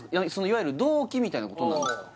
いわゆる同期みたいなことなんですか？